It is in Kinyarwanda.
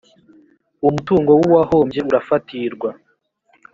umutungo w’uwahombye urafatirwa.